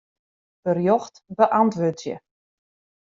Berjocht beäntwurdzje.